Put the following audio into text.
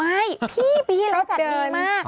ไม่พี่เราจัดดีมาก